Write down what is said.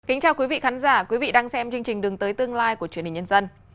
kính chào quý vị khán giả quý vị đang xem chương trình đường tới tương lai của truyền hình nhân dân